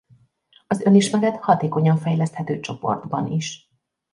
Az önismeret hatékonyan fejleszthető csoportban is.